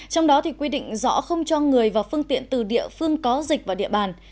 trong đó thì quy định rõ không cho người và phương tiện từ địa phương có dịch vào địa bàn